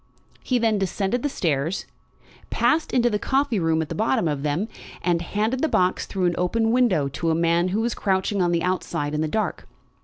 He then descended the stairs, passed into the coffee room at the bottom of them, and handed the box through an open window to a man who was crouching on the outside in the dark.